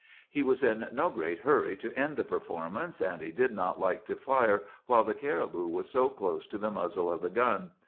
"He was in no great hurry to end the performance, and he did not like to fire while the caribou was so close to the muzzle of the gun.